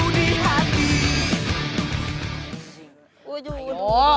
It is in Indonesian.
ini serbu orang